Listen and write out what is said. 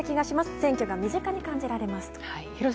選挙が身近に感じられますと。